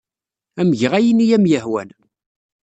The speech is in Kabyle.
Ad am-geɣ ayen ay am-yehwan.